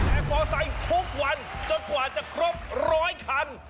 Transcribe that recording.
มอไซค์ทุกวันจนกว่าจะครบร้อยคัน